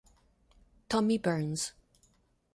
Tommy Byrnes